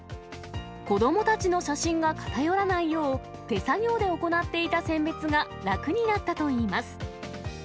子どもたちの写真が偏らないよう、手作業で行っていた選別が楽になったといいます。